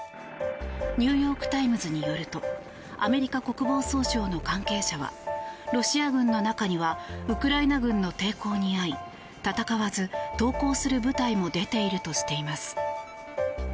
ニューヨーク・タイムズによるとアメリカ国防総省の関係者はロシア軍の中にはウクライナ軍の抵抗に遭い戦わず投降する部隊も出ているとしています。